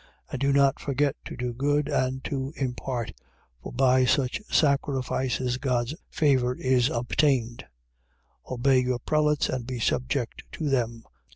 13:16. And do not forget to do good and to impart: for by such sacrifices God's favour is obtained. 13:17. Obey your prelates and be subject to them.